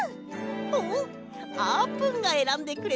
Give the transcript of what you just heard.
あっあーぷんがえらんでくれたんだ。